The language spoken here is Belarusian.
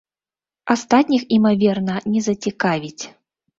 Астатніх, імаверна, не зацікавіць.